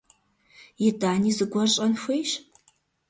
ИтӀани зыгуэр щӀэн хуейщ.